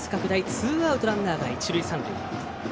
ツーアウト、ランナー、一塁三塁。